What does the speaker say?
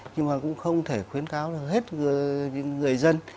nhưng mà cũng không thể khuyến cáo là hết người dân